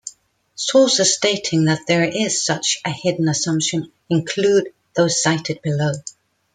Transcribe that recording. Sources stating that there is such a hidden assumption include those cited below.